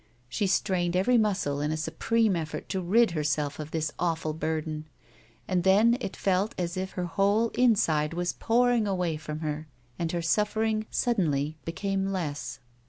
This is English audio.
She strained every muscle in a supreme effort to rid herself of this awful burden, and then it felt as if her whole inside were pouring away from her, and her suffering suddenly became less.